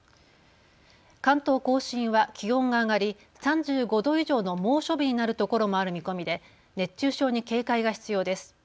関東甲信は気温が上がり３５度以上の猛暑日になるところもある見込みで熱中症に警戒が必要です。